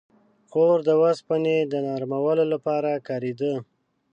• اور د اوسپنې د نرمولو لپاره کارېده.